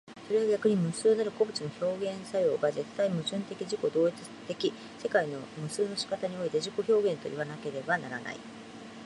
それは逆に無数なる個物の表現作用が絶対矛盾的自己同一的世界の無数の仕方においての自己表現といわなければならない。